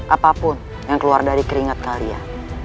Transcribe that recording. apapun yang keluar dari keringat kalian